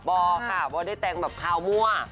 บอกค่ะว่าได้แต่งแบบคาวมั่ว